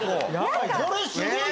これすごい！